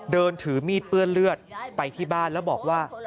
เดินถือมีดเปื้อนเลือดไปที่บ้านแล้วบอกว่า